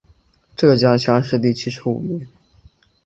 浙江乡试第七十五名。